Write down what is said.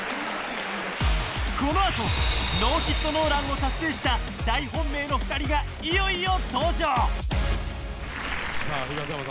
このあとノーヒットノーランを達成した大本命の２人がいよいよ登場さあ東浜さん